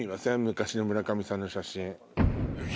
昔の村上さんの写真。